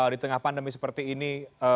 di tengah pandemi seperti ini